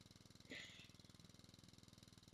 汉默史密斯是伦敦的一大波兰人聚居地。